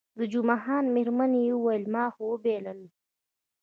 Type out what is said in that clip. د جمعه خان میرمنې وویل، ما خو وبایلل.